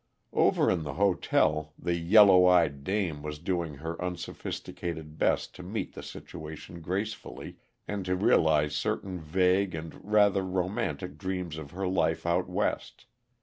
Over in the hotel the "yellow eyed dame" was doing her unsophisticated best to meet the situation gracefully, and to realize certain vague and rather romantic dreams of her life out West.